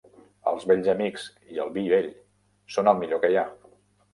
Els vells amics i el vi vell són el millor que hi ha.